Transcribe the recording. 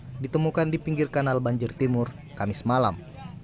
yang ditemukan di pinggir kanal banjir timur kamis malam